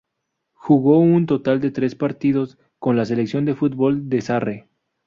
Jugó un total de tres partidos con la selección de fútbol de Sarre.